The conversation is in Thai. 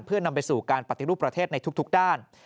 เพื่อนำไปสู่การปฏิรูปประเทศในทุกด้าน